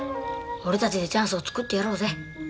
俺たちでチャンスをつくってやろうぜ。